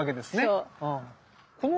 そう。